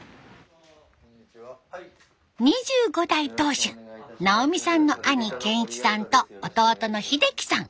２５代当主奈生さんの兄検一さんと弟の英喜さん。